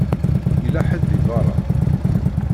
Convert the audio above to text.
Yella ḥedd deg beṛṛa.